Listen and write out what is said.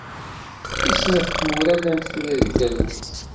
I snat tmura llant tura di talwit.